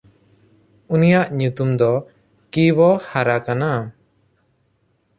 ᱩᱱᱤᱭᱟᱜ ᱧᱩᱛᱩᱢ ᱫᱚ ᱠᱤᱭᱚᱦᱟᱨᱟ ᱠᱟᱱᱟ᱾